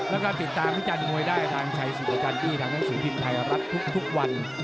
แล้วก็ติดตามวิจารณ์มวยได้ทางชัยสิทธิการที่ทางนักสูงพิมพ์ไทยรัดทุกวัน